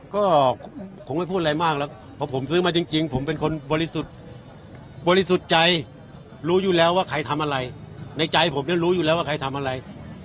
ก็คงไม่พูดอะไรมากหรอกเพราะผมซื้อมาจริงผมเป็นคนบริสุทธิ์บริสุทธิ์ใจรู้อยู่แล้วว่าใครทำอะไรในใจผมเนี่ยรู้อยู่แล้วว่าใครทำอะไร